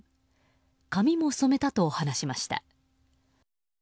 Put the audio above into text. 髪も染めたと話しました。